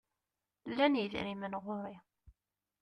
Llan yidrimen ɣur-i.